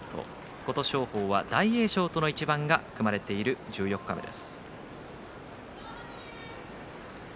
琴勝峰は大栄翔との一番が組まれている十四日目です。